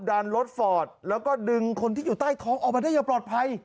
ดันรถฟอร์ดแล้วก็ดึงคนที่อยู่ใต้ท้องออกมาได้อย่างปลอดภัย